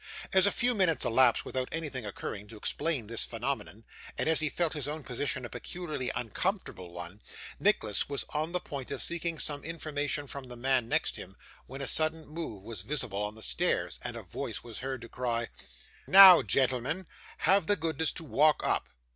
As a few minutes elapsed without anything occurring to explain this phenomenon, and as he felt his own position a peculiarly uncomfortable one, Nicholas was on the point of seeking some information from the man next him, when a sudden move was visible on the stairs, and a voice was heard to cry, 'Now, gentleman, have the goodness to walk up!